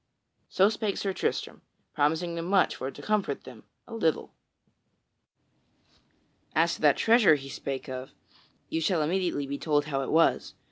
So spake Sir Tristram, promising them much for to comfort them a little. As to that treasure he spake of, ye shall immediately be told how it was.